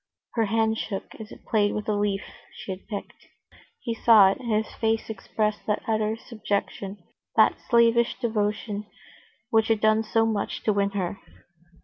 Her hand shook as it played with a leaf she had picked. He saw it, and his face expressed that utter subjection, that slavish devotion, which had done so much to win her.